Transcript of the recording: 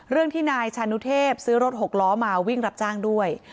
เรื่องที่นายชานุเทพซื้อรถหกล้อมาวิ่งรับจ้างด้วย